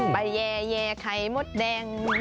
ไปแย่ไข่มดแดง